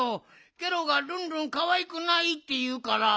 ケロがルンルンかわいくないっていうから。